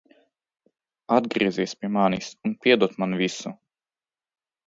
Atgriezies pie manis un piedod man visu!